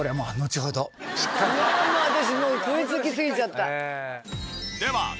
もう私食いつきすぎちゃった。